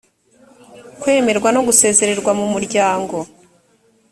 kwemerwa no gusezererwa mu muryango